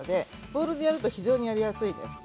ボウルでやるとやりやすいです。